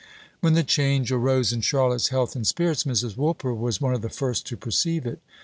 When the change arose in Charlotte's health and spirits, Mrs. Woolper was one of the first to perceive it.